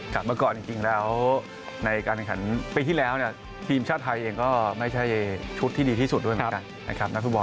กลับมาก่อนจริงแล้วในการแขนเป็นที่แล้วเนี่ยทีมชาติไทยเองก็ไม่ใช่ชุดที่ดีที่สุดด้วยเหมือนกันนะครับ